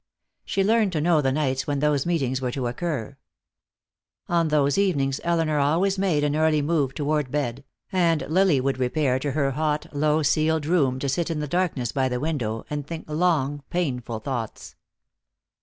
She learned to know the nights when those meetings were to occur. On those evenings Elinor always made an early move toward bed, and Lily would repair to her hot low ceiled room, to sit in the darkness by the window and think long, painful thoughts.